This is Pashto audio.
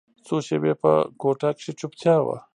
څو شېبې په کوټه کښې چوپتيا وه.